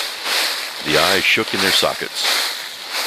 The eyes shook in their sockets.